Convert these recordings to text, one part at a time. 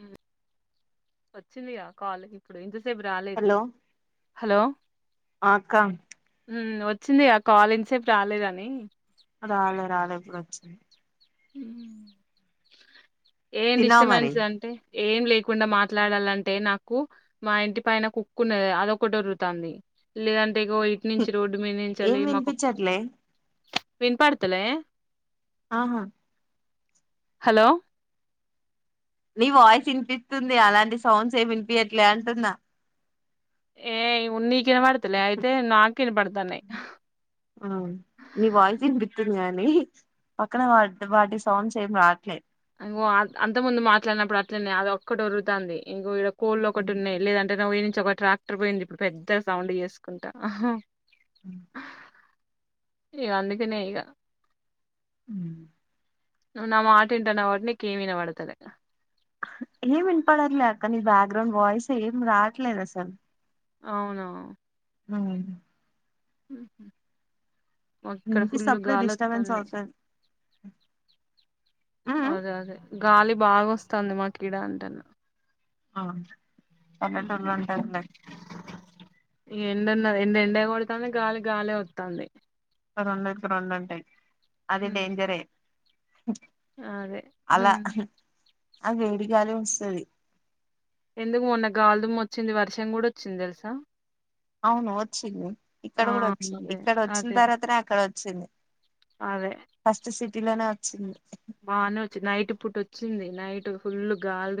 ఉమ్ వచ్చిందిగా కాల్ ఇప్పుడు ఇంతసే ఇంతసేపు రాలేదు హలో ఉమ్ వచ్చింది గా కాల్ ఇంతసేపు రాలేదని రాలే రాలే ఇప్పుడు వచ్చింది ఉమ్ ఏం డిస్టబెన్స్ అంటే ఏం లేకుండా మాట్లాడాలంటే నాకు మా ఇంటి పైన కుక్క వున్నది అదొకటి వరుతాంది లేదం టే ఇగో ఇటి నుంచి రోడ్డు మీద నుంచేళ్లి మాకు వినిపడుతలే అహా హలో నీ వాయిస్ వినిపిస్తుంది అలాంటి సౌండ్స్ ఏమి వినిపియట్లే అంటున్న ఏయ్ నీకు వినపడుతలే అయితే నాకే వినపడుతాన్నాయి గాని పక్కన వా వాటి సౌండ్స్ ఏమి రాట్లే ఓ అంత ముందు మాట్లాడినప్పుడు అట్లనే అది ఒక్కటి వరుతన్ది ఇంకో కోళ్ళు ఒకటి ఉన్నాయి లేదంటే ఈడ నుంచి ఒక ట్రాక్టర్ పోయింది ఇప్పుడు పెద్ద సౌండ్ చేసుకుంటా మ్ ఇగ అందుకనే ఇగ మ్ నువ్వు నా మాట ఇంటానవు కాబట్టి నీకు ఏం ఇనవడుతలే ఏమ్ వినపడట్లే అక్క నీ బ్యాక్గ్రౌండ్ వాయిస్ ఏం రాట్లేదు అసలు అవునా ఉమ్ ఇక్కడ ఫుల్లు గాలోత్తన్ది అదే అదే గాలి బాగా వస్తాంది మాకీడ అంటాన్న అవునా పల్లెటూరు ల ఉంటది లే ఎండ వున్నది ఎండ ఎండే కొడతంది గాలి గాలే వతాంది రెండుకి రెండుంటాయి అది డేంజరే అదే హూ అది వేడి గాలే వస్తది ఎందుకు మొన్న గాల్దుమ్ము వచ్చింది వర్షం కూడా వచ్చింది తెలుసా అవును వచ్చింది ఇక్కడ ఆ కూడా వచ్చింది అదే ఇక్కడ వచ్చిన అదే తర్వాతనే అక్కడ వచ్చింది అదే ఫస్ట్ సిటీ లోనే వచ్చింది బానే వచ్చింది నైట్ పూట వచ్చింది నైట్ ఫుల్ గాల్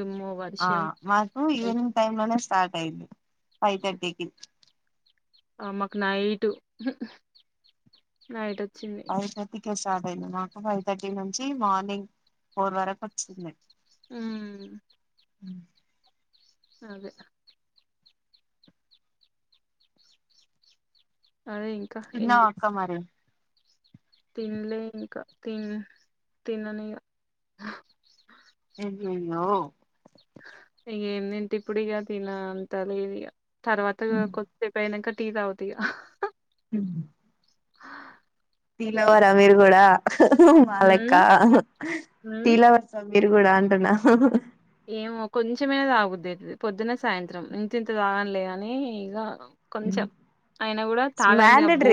ఆ మాకు ఈవినింగ్ టైమ్ లోనే స్టార్ట్ అయింది ఫైవ్ థర్టీకి ఆ మాకు నైటూ నైట్ వచ్చింది ఫైవ్ థర్టీ కే స్టార్ట్ అయింది మాకు ఫైవ్ థర్టీ నుంచి మార్నింగ్ ఫోర్ వరకు వచ్చింది మ్ మ్ అదే అదే ఇంకా తిన్నావ అక్క మరి తిన్లే ఇంకా తిన్ తినను ఇగ ఏందో ఇగ ఏం తింటా ఇప్పుడు ఇగ తిన అంత లేదు ఇగ తర్వాత కొద్దిసేపు అయినాంక టీ తాగుతా ఇగ మ్ టీ లవర్ అ మీరు కూడా మాలెక్క ఉమ్ ఉమ్ టీ లవర్స్ మీరు కూడా అంటున్న ఏమో కొంచెమైనా తాగ బుద్ది అయితది పొద్దున్న సాయంత్రం ఇంత ఇంత తాగనులే గాని ఇగ కొంచెం అయిన కూడా తాగంది అబో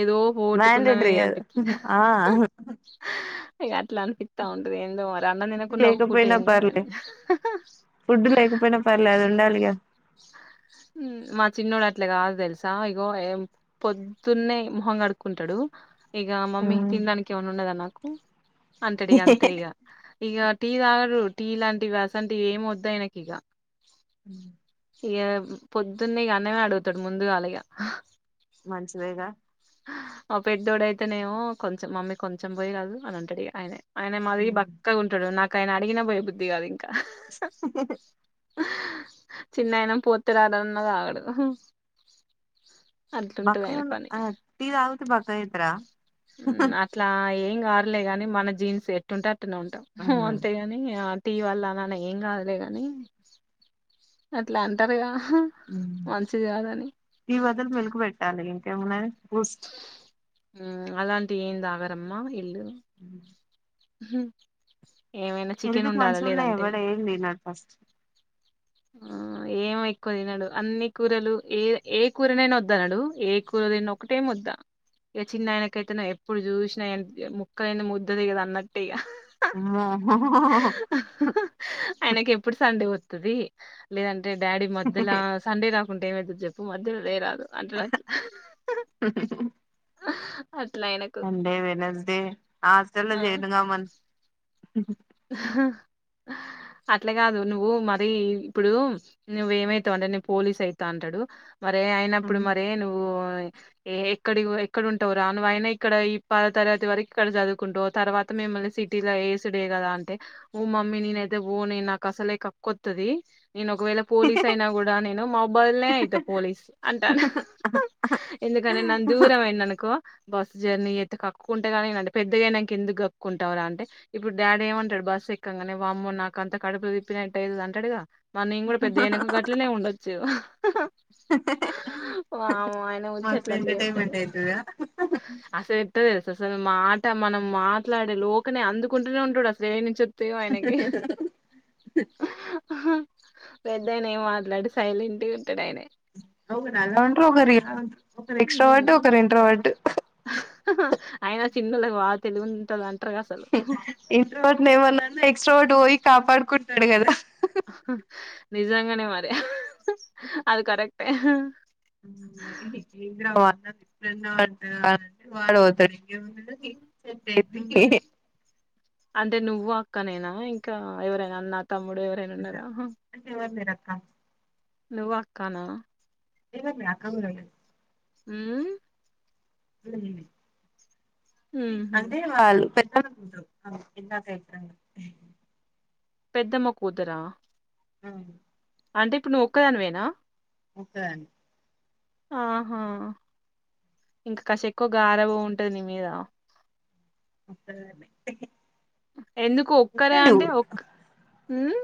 ఏదో పోట్టుకున్నామే అనిపించింది హా హా ఇగ అట్లా అనిపిస్తా ఉంటది ఏందొ మరి అన్నం తినకున ఒక పూట ఏం కాదు క ఫుడ్ లేకపోయినా పర్లే అది ఉండాలిగా హామ్ మా చిన్నడు అట్లే కాదు తెలుసా ఇగో పొద్దున్నే మొహంంగాడుకుంటాడు ఇగ మమ్మీ తినడానికి ఏమన్నా ఉండదా నాకు అంటడుఇగ అంతే ఇగ ఇగ టీ తాగరు టీ లాంటివియాసంటివి ఏమి వద్దా ఆయనకి ఇక [inaudible] ఇక పొద్దున్నే ఇక అన్నమే అడుగుతాడు ముందుగా అలాగ మంచిందేగా ఆ పెట్దోడు అయితేనేమో కొంచెం మమ్మీ కొంచెం పోయి కాదు అని అంటాడు ఆయనే ఆయన మాది బక్కగా ఉంటాడు నాకు ఆయన అడిగిన పోయ బుద్ధి కాదుంకా [unintelligible] చిన్నయన పూర్తి రాలన్న రాగాడు బక్కఉన్న టీ తగ్గితేయ్ బక్కగా అయ్యితారా అట్లా ఏం కారులే ని మన జీన్స్ ఎట్టుంటే అట్నే ఉంటాం అంతేగాని టీ వల్ల అన ఏం కాదులే ని అట్లా అంటారుగా మంచిది కాదని టీ బదులు మీల్క్ పెట్టాలి ఇంక ఏం ఉన్నది బూస్ట్ అలాంటి ఏం తగ్గారు అమ్మ ఇళ్లు అ హ హెల్త్ కీ మంచుకున్నాయి ఎవరు ఏం తిన్నారు అసలు ఆ ఏమ ఎక్కువ తినడు అన్ని కూరలు ఏ ఏ కూరనైనా వద్దాన్నాడు ఏ కూర త ఒకటే ముద్ద ఇక చిన్న ఆయనకైతే ఎప్పుడు చూసినా ముక్కలైనా ముద్ద దీగాదు అన్నట్టే ఇక ఆ ఆ ఆ ఆయనకి ఎప్పుడు సండే వస్తుది లేదంటే డాడీ మధ్యలో సండే రాకు చెకుంటే ఏమైతు చెప్పు మధ్యలో అదే రాదు అంటునట్ హ [unintelligible] అది సండే వెనస్డే హస్టల్లో జాయిన్గమను [unintelligible] అట్లే కాదు నువ్వు మర ఇప్పుడు నువ్వేమైత అంటే నేను పోలీస్ అయితా అంటాడు మరే అయినప్పుడు మరే నువ్వు ఏ ఎక్కడి ఎక్కడంటావు రాను అయినా ఇక్కడ ఈ ప తరగతి వరకు ఇక్కడ చదువుకుంటా తర్వాత మేము మళీ సిటీలో వేసుడే కదా అంటే ఊ మమ్మీ నేనయితేపోనే నాకు అసలే కక్కొతుది నేను ఒకవేళ పోలీస్ అయినా కూడా న న మొబైల్ అయితే పోలీసు అంటాను ఎందుకంటే ను దూరం ఏ అనుకో బస్ జర్నీ అయితే కక్కుంటే కానీంటే పెద్దగానాక ఎందుకు కక్కుంటవారు అంటే ఇప్పుడు డాడీ ఏమంట బస్ ఎక్కంగానే వామ్మో నాకు అంత కడుపులు తిప్పినట్ అ అంటడుగా మరి నేను కూడా పెద్ద ఎనక గట్లనే ఉండొచ్చు అమ ఆయన వచ్చేట్లా అట్లే చెతాడు అసలు అత్తద అసలు మాట మనం మాట్లాడే లోకనే అందుకుంటూనే ఉంటాడు అసలు ఏ ను తెవ అయన కీ పెద్దయన ఏం మాట్లాడు సైలెంట్ ఉంటాడు ఆయనే ఒంటారో ఒక్కరు ఎక్సట్రోవర్ట్ ఇంకొకరు ఇంట్రవర్ట్ అయన చిన్నలకు బాగా తెలి ఉంటంది అంట ఇంట్రవర్ట్ ఏమైనా కానీ ఎక్సట్రావోట్ పోయి కాపాడుకుంటాడు కదా నిజంగానే మరి అది కరెక్టే ద్రా అన్నది ఇప్పుడు అంటంటే వాడ పోతాడు చెప్ప నువ్ అక్కనైనా ఇంకా ఎవరైనా అన్న తమ్ముడు ఎవరైనా ఉన్నారా ఆ నువ్వు అక్కానా ఇవ మేడ అక్క గులు ఉమ్ ఉహు అంటే వాళ్ళు అవును ఇందకే [unintelligible] పెద్దమ్మ కూతురా అవును అంటే ఇప్పుడు నువ్వు ఒక్కదానివేనా ఒక్కదాన్ని ఆహా ఇంకా కాసి ఎక్కువ గారాబం ఉంటది నీ మీద ఒక్కదాన్నే ఎందుకు ఒక్కర అంటే ఒక్ మ్మ్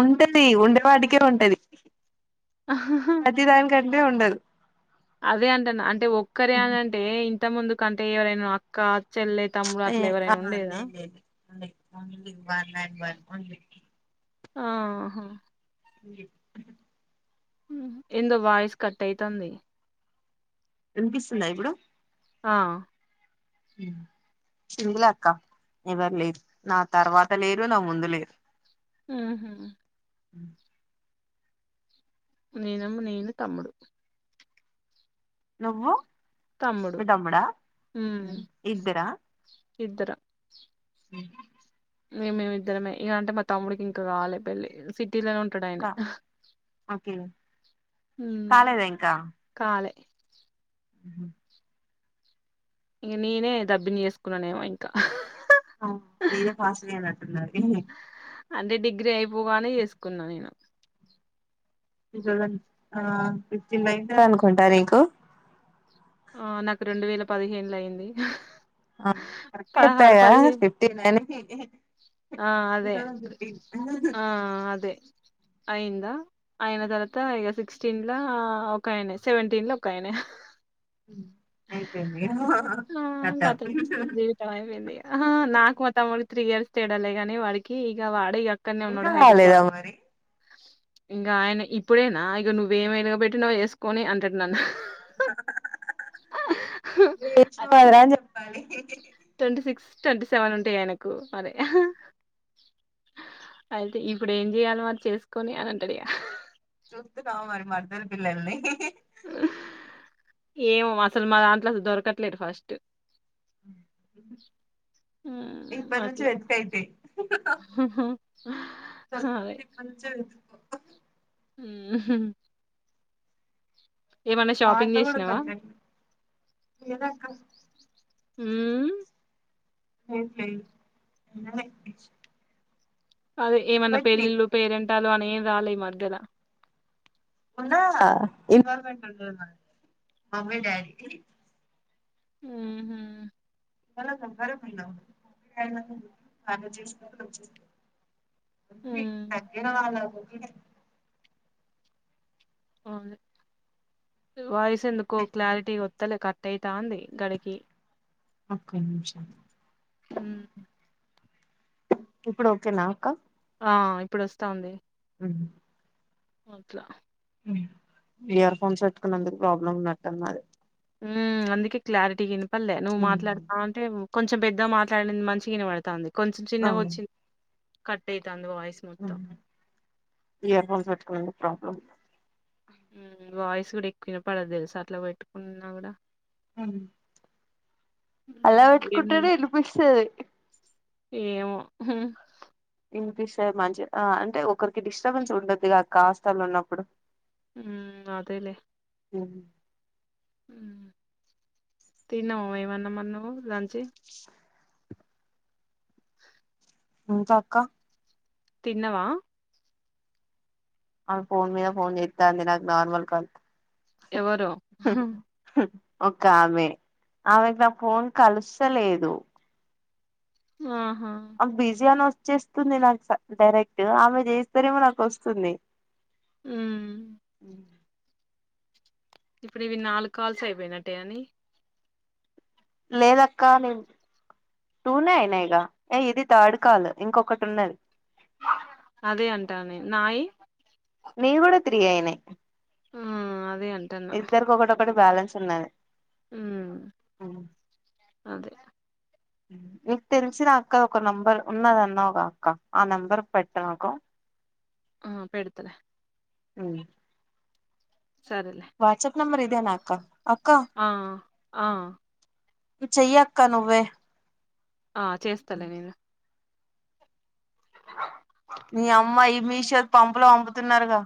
అంతేలే ఉండేవాటికే ఉంటది ప్రతి దానిక కిందే ఉండదు అదే అంటన్న అంటే ఒక్కరే అని అంటివే ఇంత ముందుకు అంటే ఎవరైనా అక్క చెల్లె తమ్ముడు అట్లా ఎవరైనా ఉండేదా ఉంది మా మమ్మీ [unintelligible] ఉంది ఆహా ఉంది ఎందొ వాయిస్ కట్ అయితాంది వినిపిస్తుందా ఇప్పుడు ఆ మ్మ్ ఎవరు లేరు నా తర్వాత లేరు నా ముందు లేరు ఉహు మ్మ్ నేనం నేను తమ్ముడు నువ్వు తమ్ముడు మీ తమ్ముడ ఇద్దరా ఇద్దర అ మిమ్ మీము ఇద్దరమే ఇక అంటే మా తమ్ముడికి ఇంక కాలే పెళ్ళి సీటి లొనే ఉంటాడు ఆయన హ్మ్ కాలే ఉహు ఇంక నేనే దబ్బిని చేసుకున్నానేమో ఇంకా హ ఫ్రీగా పాస్ అయినట్టు ఉన్నారు ఏమి అంటే డిగ్రీ అయిపోగానే చేసుకున్నా నేను ఆ ఫిఫ్టీన్ నైన అనుకుంటా నీకు ఆ నాకు రెండు వేల పదిహేనులో అయింది ఆ కరెక్ట్ గా చెప్తావు పదహారు కదా పదిహేను ఫిఫ్టీ నైన్ కీ ఇది ఆ అదే ఆ అదే అయిందా అయిన తర్వాత ఇక సిక్స్టీన్లో ఒకయనే సెవెంటీన్లో ఒకయనే అయిపొయింది ఆ ఖాయం జీవితం అయిపొయింది ఇంకా హ నాకు మా తమ్ముడు త్రీ ఇయర్స్ తేడాలే కానీ వాడికి ఇక వాడే ఇగ ఇంకా కాలేదా మరి ఇంకా ఆయన ఇప్పుడేనా ఇక నువ్వేం వేలగబట్టినవ్ నువ్వు చేసుకొని అంటడు నన్ను నువ్వు ఏడిచినావ్ కదరా అని చెప్పాలి ట్వంటీ సిక్స్ ట్వంటీ సెవెన్ ఉంటాయి ఆయనకు మరె అయితే ఇప్పుడు ఏం చేయలి మరి చేసుకొని అని అంటాడు ఇక సో వా [unintelligible] రి మదర్ పిల్లల్ని ఏమో మా అసలు మా దాంట్లో అసలు దొరకట్లేదు ఫస్ట్ హ ఇప్ప హ్మ్. నుంచి అట్లా. వెతుకుఅయితే సగకుటి పంచ హ్మ్మ్ ఏమన్నా షాపింగ్ చేసినావా హ్మ్మ్ ఎమ్లే నిన్ననే అదే ఏమన్నా పెళ్ళిళ్ళు పేరెంటాలు అని ఏం రాలే ఈ మధ్యన ఆ ఇన్వాల్వ్మెంట్ ఉంటది మమ్మీ డాడీ ది ఉమ్ హు [unintelligible] ఉంది ఉమ్ దగ్గరవల వదినే అవును వాయిస్ ఎందుకో క్లారిటీ ఒత్తలే కట్టయితంది గడికి ఒక్క నిమిషం ఉమ్ ఇప్పుడు ఓకేనా అక్క ఆ ఇప్పుడు వస్తాంది ఉమ్ అట్లా ఇయర్ ఫోన్స్ పెట్టుకున్నందుకు ప్రాబ్లమ్ ఉన్నట్టున్న అది ఉ అందుకే క్లారిటీ వినపల్లే నువ్వు మాట్లాడుతావున్ టే కొంచెం పెద్దగా మాట్లాడింది మంచిగ వినబడుతంది కొంచెం చిన్నగా వచ్చి కట్ అవుతుంది ఆ ఇయర్ ఫోన్స్ పెట్టుకున్నా ప్రాబ్లమ్ ఆ వాయిస్ కూడా ఎక్కువ వినపడదు తెలుస అట్లా పెట్టుకున్నా కూడా ఉమ్ అలా మ్మ్. ఏం పెట్టుకుంటేనే వినిపిస్తది ఏమో వినిపిస్తే మంచిగా ఆ అంటే ఒకరికి డిస్టర్బెన్స్ ఉండదిగా కాస్తలో ఉన్నప్పుడు ఉ అదేలేే ఉ తిన్నాము ఏమన్నామరి నువ్వు లంచి హ ఇంకా అక్క తిన్నవా అమె ఫోన్ మీద ఫోన్ చేస్తా అంది నాకు నార్మల్ కాల్ ఎవరో హు ఒక ఆమె ఆమెకి నా ఫోన్ కలుసలేదు ఆ బిజీ అని వచ్చేస్తుంది నాకు డైరెక్ట్ ఆమె చేస్తారేమో నాకు వస్తుంది ఉమ్ అ ఇప్పుడు ఇవి నాలుగు కాల్స్ అయిపోయినట్టే అని లేదక్క నేను టూనే అయినాయిక ఏ ఇది థర్డ్ కాల్ ఇంకొకటి ఉన్నది అదే అంటానేను నాయి నీవి కూడా త్రీ అయినాయ్ ఊమ్ అదే అంటన్న బాలన్స్ ఉన్నది ఊమ్ అదే మీకు తెలిసిన అక్క ఒక నెంబర్ ఉన్నదన్నవ్గా అక్క ఆ నెంబర్ పెట్టు నాకు [inaudible] ఆ పెడుతలే ఉ సరేలే నంబర్ ఇదే నా అక్క ఆ ఆ చెయ్ అక్క నువ్వే ఆ చేస్తాలే నేను అ నీ అమ్మాయి మీషో పంపులో పంపుతున్నారుగా